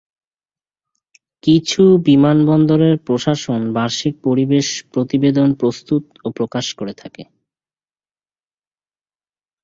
কিছু বিমানবন্দরের প্রশাসন বার্ষিক পরিবেশ প্রতিবেদন প্রস্তুত ও প্রকাশ করে থাকে।